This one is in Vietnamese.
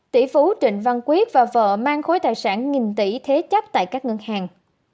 tỷ phú trịnh văn quyết và vợ mang khối tài sản nghìn tỷ thế chấp tại các ngân hàng